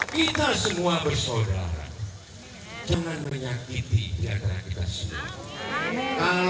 kita semua bersaudara jangan menyakiti di jakarta kita sendiri